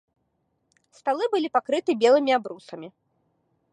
Сталы былі пакрыты белымі абрусамі.